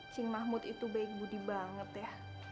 cing mahmud itu baik budi banget ya